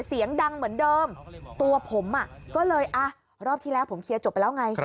เสียงดังเหมือนเดิมตัวผมก็เลยอ่ะรอบที่แล้วผมเคลียร์จบไปแล้วไง